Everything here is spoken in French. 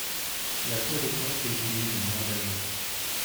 La Cour des comptes exige moins d’agents.